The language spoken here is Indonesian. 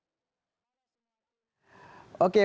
janssen menegaskan bahwa gerakan tagar ini tidak tergantung